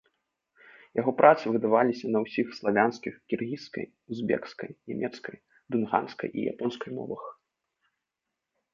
Яго працы выдаваліся на ўсіх славянскіх, кіргізскай, узбекскай, нямецкай, дунганскай і японскай мовах.